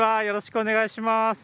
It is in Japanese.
よろしくお願いします。